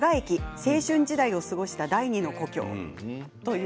青春時代を過ごした第二の故郷。